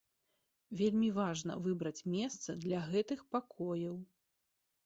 Вельмі важна выбраць месца для гэтых пакояў.